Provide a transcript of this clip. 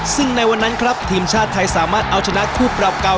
ซึ่งในวันนั้นครับทีมชาติไทยสามารถเอาชนะคู่ปรับเก่า